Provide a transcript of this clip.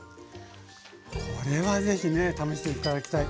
これはぜひね試して頂きたい。